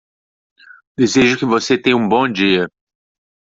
Desejo que você tenha um bom dia.